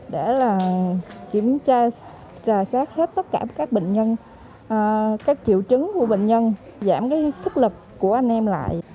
để kiểm tra hết tất cả các bệnh nhân các triệu chứng của bệnh nhân giảm sức lực của anh em lại